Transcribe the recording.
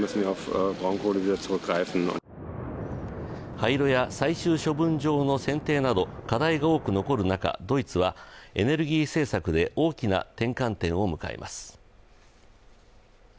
廃炉や最終処分場の選定など課題が多く残る中ドイツはエネルギー政策で大きな転換点を迎えます。